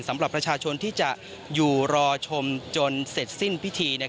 สำหรับประชาชนที่จะอยู่รอชมจนเสร็จสิ้นพิธี